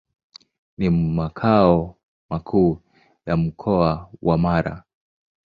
Ni makao makuu ya Mkoa wa Mara.